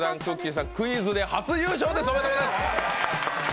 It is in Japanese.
さん、クイズで初優勝でございます。